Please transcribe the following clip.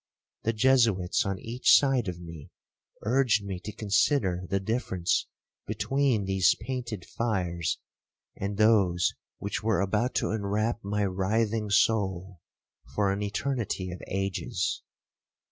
The Jesuits on each side of me, urged me to consider the difference between these painted fires, and those which were about to enwrap my writhing soul for an eternity of ages.